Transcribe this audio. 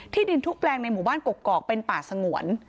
ดินทุกแปลงในหมู่บ้านกกอกเป็นป่าสงวน